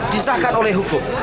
disahkan oleh hukum